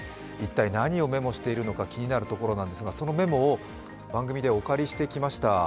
一体何をメモしているのか気になるところなんですがそのメモを番組ではお借りしてきました。